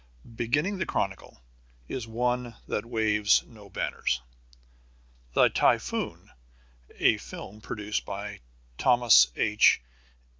Beginning the chronicle is one that waves no banners. The Typhoon, a film produced by Thomas H.